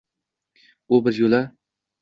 U bir yo’la